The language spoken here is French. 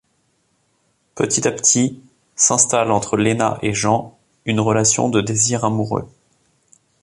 Petit à petit, s'installe entre Lena et Jean une relation de désir amoureux.